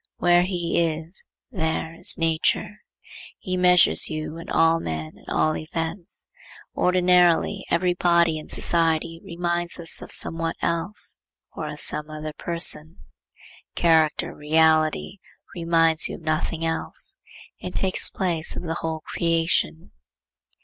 Where he is, there is nature. He measures you and all men and all events. Ordinarily, every body in society reminds us of somewhat else, or of some other person. Character, reality, reminds you of nothing else; it takes place of the whole creation.